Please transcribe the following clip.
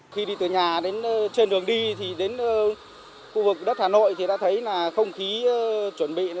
khi đi từ nhà đến trên đường đi thì đến khu vực đất hà nội thì đã thấy là không khí chuẩn bị